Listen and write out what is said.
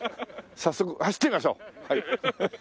早速走ってみましょう。